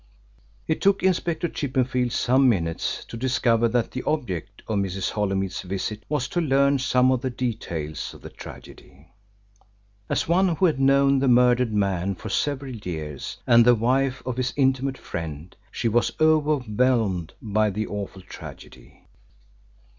It took Inspector Chippenfield some minutes to discover that the object of Mrs. Holymead's visit was to learn some of the details of the tragedy. As one who had known the murdered man for several years, and the wife of his intimate friend, she was overwhelmed by the awful tragedy.